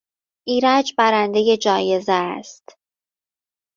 ایرج برندهی جایزه است.